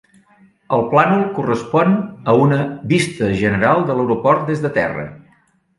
El plànol correspon a una vista general de l'aeroport des de terra.